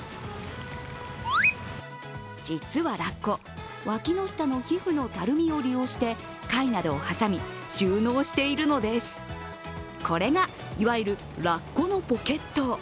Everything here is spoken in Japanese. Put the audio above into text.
実はラッコ、わきの下の皮膚のたるみを利用して貝などを挟み、収納しているのですこれがいわゆるラッコのポケット。